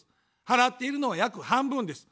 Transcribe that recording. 払っているのは約半分です。